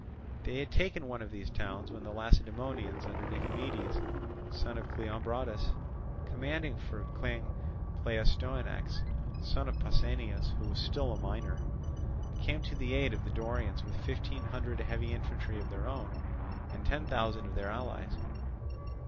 They had taken one of these towns, when the Lacedaemonians under Nicomedes, son of Cleombrotus, commanding for King Pleistoanax, son of Pausanias, who was still a minor, came to the aid of the Dorians with fifteen hundred heavy infantry of their own, and ten thousand of their allies.